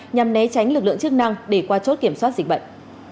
nhằm né tránh lực lượng chức năng để qua chốt kiểm soát dịch bệnh